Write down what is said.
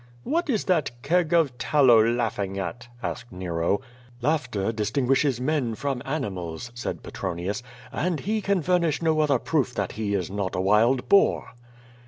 "What is that keg of tallow laughing at?" asked Nero. "Laughter disting3iishes men from animals," said Petro nius, "and he can furnish no other proof that he is not a wild boar."